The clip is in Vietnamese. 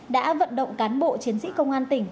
đã vận động cán bộ chiến sĩ công an tỉnh